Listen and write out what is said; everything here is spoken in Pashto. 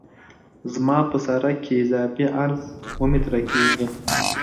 زما په سرک کې اضافي عرض اوه متره کیږي